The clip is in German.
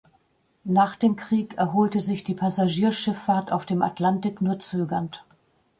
Nach dem Krieg erholte sich die Passagierschifffahrt auf dem Atlantik nur zögernd.